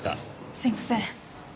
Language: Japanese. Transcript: すいません。